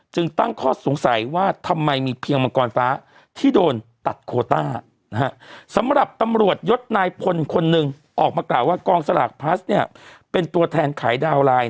จึงตั้งข้อสงสัยว่าทำไมมีเพียงมังกรฟ้าที่โดนตัด